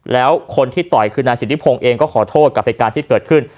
แล้วคนที่ต่อยคืนนาศิริพงษ์เองก็ขอโทษกับพิการที่เกิดขึ้น